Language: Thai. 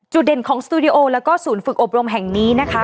เด่นของสตูดิโอแล้วก็ศูนย์ฝึกอบรมแห่งนี้นะคะ